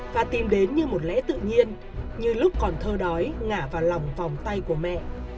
và tìm đến như một lẽ tự nhiên như lúc còn thơ đói ngả vào lòng vòng tay của mẹ